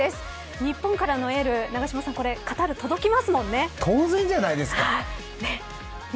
日本からのエール、永島さん当然じゃないですか。